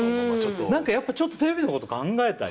何かやっぱちょっとテレビのこと考えたり。